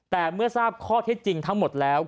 แต่เมื่อทราบข้อเท็จจริงทั้งหมดแล้ว